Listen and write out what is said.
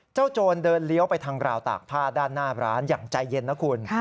โจรเดินเลี้ยวไปทางราวตากผ้าด้านหน้าร้านอย่างใจเย็นนะคุณ